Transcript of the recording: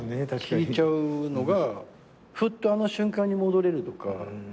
聞いちゃうのがふっとあの瞬間に戻れるとか。